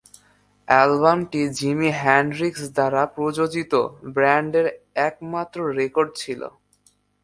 অ্যালবামটি Jimi Hendrix দ্বারা প্রযোজিত ব্যান্ডের একমাত্র রেকর্ড ছিল।